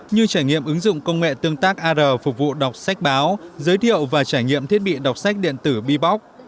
như trải nghiệm ứng dụng công nghệ tương tác ar phục vụ đọc sách báo giới thiệu và trải nghiệm thiết bị đọc sách điện tử be bóc